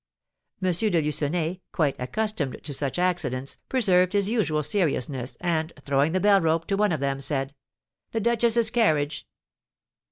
M. de Lucenay, quite accustomed to such accidents, preserved his usual seriousness, and, throwing the bell rope to one of the men, said: "The duchess's carriage."